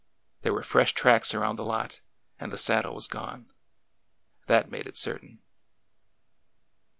There were fresh tracks around the lot, and the saddle was gone. That made it certain.